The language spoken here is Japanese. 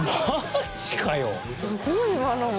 すごい今のも。